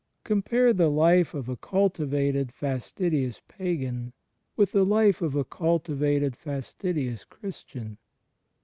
Compare the life of a cultivated fastidious pagan with the life of a cultivated fastidious Christian.